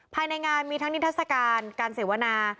ภายในงานมีทั้งนิทัศกาลการเสวนา